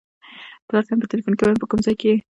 پلار ته مې په ټیلیفون کې وایم په کوم ځای کې یې.